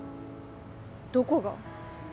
どこが？